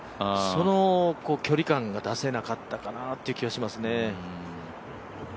その距離感が出せなかったかなという気はしますね。